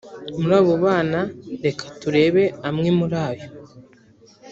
muri abo bana reka turebe amwe muri yo